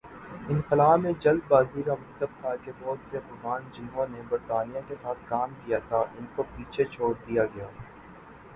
انخلا میں جلد بازی کا مطلب تھا کہ بہت سے افغان جنہوں نے برطانیہ کے ساتھ کام کیا تھا ان کو پیچھے چھوڑ دیا گیا۔